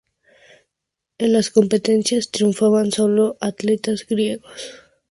En las competencias triunfaban sólo atletas griegos.